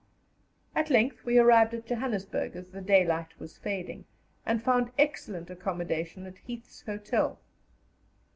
At length we arrived at Johannesburg as the daylight was fading, and found excellent accommodation at Heath's Hotel.